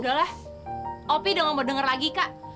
udah lah opi udah gak mau denger lagi kak